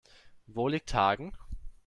Wo liegt Hagen?